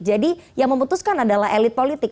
jadi yang memutuskan adalah elit politik